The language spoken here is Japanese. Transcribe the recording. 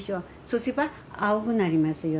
そうすれば青くなりますよ。